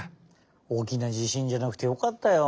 おおきな地しんじゃなくてよかったよ。